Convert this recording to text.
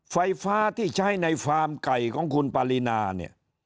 ไฟฟ้าที่ใช้ในฟาร์มไก่ของคุณปารีนาเนี่ย